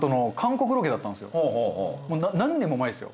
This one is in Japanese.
もう何年も前ですよ。